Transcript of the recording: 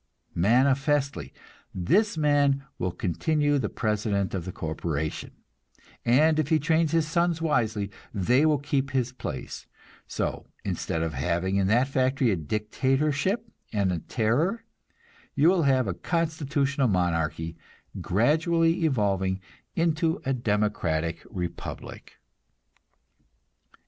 Manifestly, this man will continue the president of the corporation, and if he trains his sons wisely, they will keep his place; so, instead of having in that factory a dictatorship and a terror, you will have a constitutional monarchy, gradually evolving into a democratic republic.